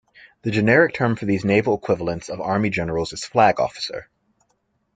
The generic term for these naval equivalents of army generals is flag officer.